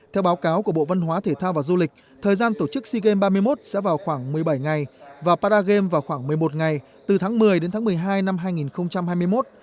theo báo cáo của bộ văn hóa thể thao và du lịch thời gian tổ chức sea games ba mươi một sẽ vào khoảng một mươi bảy ngày và paragame vào khoảng một mươi một ngày từ tháng một mươi đến tháng một mươi hai năm hai nghìn hai mươi một